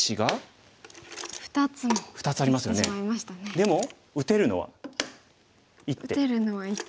でも打てるのは１手。